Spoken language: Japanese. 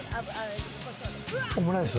オムライス？